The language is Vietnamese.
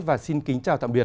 và xin kính chào tạm biệt